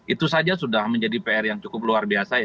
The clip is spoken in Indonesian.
itu saja sudah menjadi pr yang cukup luar biasa